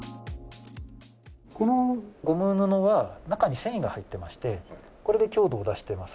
このゴム布は、中に繊維が入ってまして、これで強度を出してます。